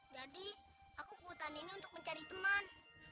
jadi aku ke hutan ini untuk mencari teman